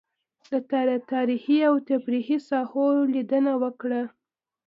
له تاريخي او تفريحي ساحو لېدنه وکړه.